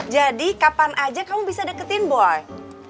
jadi kapan aja kamu bisa deketin boy